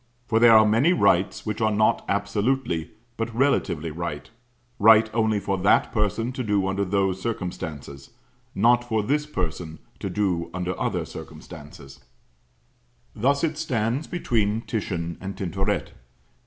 For there are many rights which are not absolutely, but relatively right right only for that person to do under those circumstances, not for this person to do under other circumstances. Thus it stands between Titian and Tintoret.